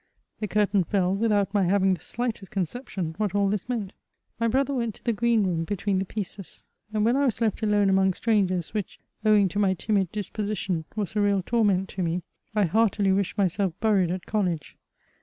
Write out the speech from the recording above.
The curtain fell, without my having the slightest conception what all this meant. My brother went to the green room between the pieces ; and, when I was left alone among strangers, which, owing to my timid disposition, was a real torment to me, I heartily wished myself buried at college.